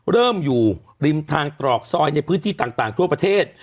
เริ่มอยู่ริมทางตรอกซอยในพื้นที่ต่างทั่วประเทศ